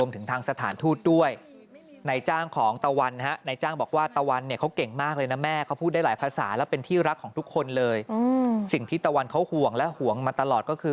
เขาจะทำบวนให้ลูกเขาอีก